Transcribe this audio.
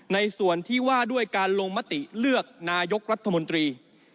ในส่วนที่ว่าด้วยการลงมติเลือกนายกรัฐมนตรี